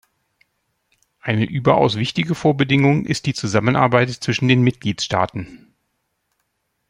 Eine überaus wichtige Vorbedingung ist die Zusammenarbeit zwischen den Mitgliedstaaten.